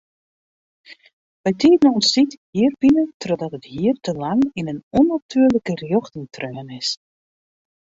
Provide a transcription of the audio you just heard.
Bytiden ûntstiet hierpine trochdat it hier te lang yn in ûnnatuerlike rjochting treaun is.